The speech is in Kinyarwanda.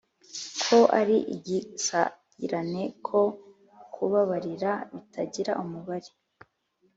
ko ari igisagirane, ko kubabarira bitagira umubare.